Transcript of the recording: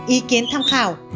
ý kiến tham khảo